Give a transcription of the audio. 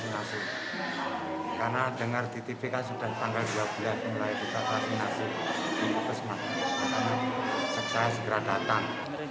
yakin sekali yakin seratus persen